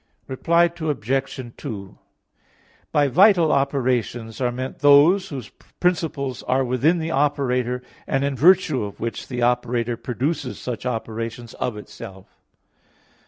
Reply Obj. 2: By vital operations are meant those whose principles are within the operator, and in virtue of which the operator produces such operations of itself.